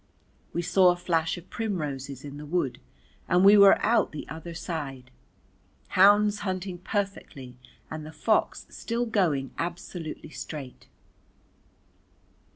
We saw a flash of primroses in the wood and we were out the other side, hounds hunting perfectly and the fox still going absolutely straight.